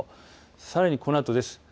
さらに、このあとです。